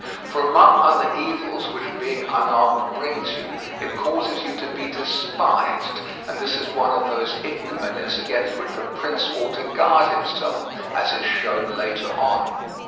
For among other evils which being unarmed brings you, it causes you to be despised, and this is one of those ignominies against which a prince ought to guard himself, as is shown later on.